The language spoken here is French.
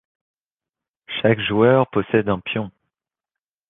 Chaque joueur possède un pion.